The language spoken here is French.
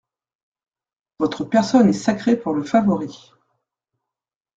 Votre personne est sacrée pour le favori.